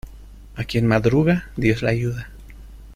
A quien madruga, dios le ayuda.